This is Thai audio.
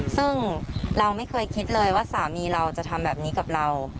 ซึ่งเราไม่เคยคิดเลยว่าสามีเราจะทำแบบนี้กับเรา